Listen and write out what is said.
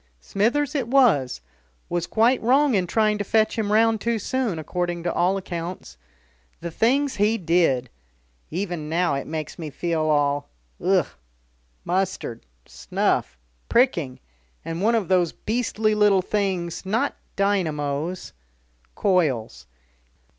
"Smithers it was was quite wrong in trying to fetch him round too soon, according to all accounts. The things he did! Even now it makes me feel all ugh! Mustard, snuff, pricking. And one of those beastly little things, not dynamos " "Coils."